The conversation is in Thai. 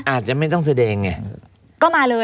อาจจะไม่ต้องแสดงไง